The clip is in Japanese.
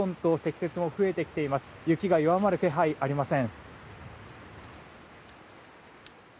雪が弱まる気配はありません。